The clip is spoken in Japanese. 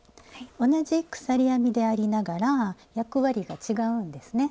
同じ鎖編みでありながら役割が違うんですね。